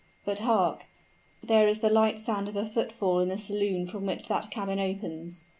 But hark! there is the light sound of a footfall in the saloon from which that cabin opens.